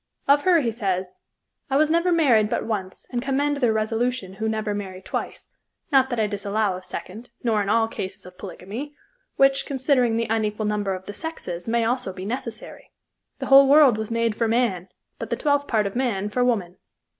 Of her he says: "I was never married but once and commend their resolution who never marry twice, not that I disallow of second, nor in all cases of polygamy, which, considering the unequal number of the sexes, may also be necessary. The whole world was made for man, but the twelfth part of man for woman.